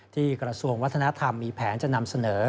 กระทรวงวัฒนธรรมมีแผนจะนำเสนอ